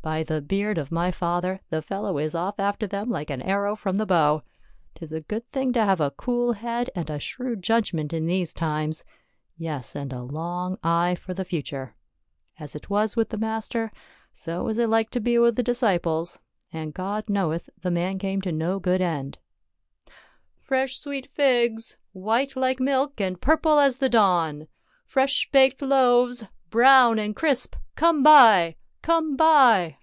" By the beard of my father, the fellow is off after them like an arrow from the bow ; 'tis a good thing to have a cool head and a shrewd judgment in these times — yes, and a long eye for the future. As it was with the master, so is it like to be with the disciples ; and God knowcth the man came to no good end. — Fresh sweet figs ! white like milk, and purple as the dawn ! Fresh baked loaves, brown and crisp. Come buy ! Come buy